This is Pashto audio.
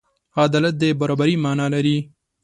عدالت د برابري معنی لري.